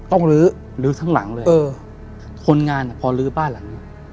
ลื้อลื้อทั้งหลังเลยเออคนงานอ่ะพอลื้อบ้านหลังนี้